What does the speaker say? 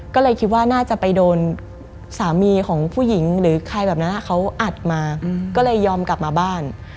ก็เลยคิดว่าน่าจะไปโดนสามีของผู้หญิงหรือใครแบบนั้นเขาอัดมาก็เลยยอมกลับมาบ้าน